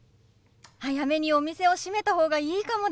早めにお店を閉めた方がいいかもです。